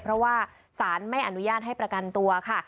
เพราะว่าสารไม่อนุญาตให้ประกันตัวค่ะ